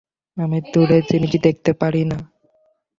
আমি দূরের জিনিস দেখতে পারি না।